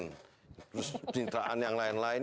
terus citraan yang lain lain